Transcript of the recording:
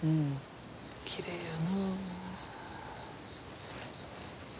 きれいやな。